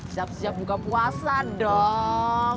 siap siap buka puasa dong